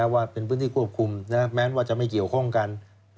ว่าเป็นพื้นที่ควบคุมแม้ว่าจะไม่เกี่ยวข้องกัน